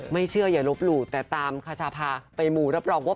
ไม่เชื่อแต่หลบหรูแต่ตามคชาพาไปหมู่